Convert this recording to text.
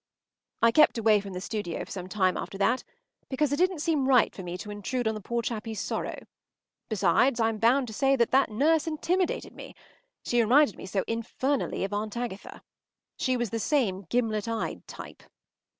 I kept away from the studio for some time after that, because it didn’t seem right to me to intrude on the poor chappie’s sorrow. Besides, I’m bound to say that nurse intimidated me. She reminded me so infernally of Aunt Agatha. She was the same gimlet eyed type.